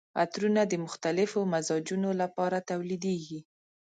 عطرونه د مختلفو مزاجونو لپاره تولیدیږي.